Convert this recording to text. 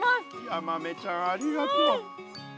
ヤマメちゃんありがとう。